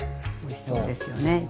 おいしそうですよね。